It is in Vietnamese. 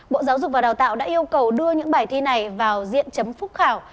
bộ giáo dục và đào tạo đã yêu cầu đưa những bài thi này vào diện chấm phúc khảo